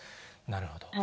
なるほど。